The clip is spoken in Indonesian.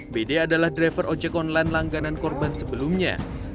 bd adalah driver ojek online langganan korban sebelumnya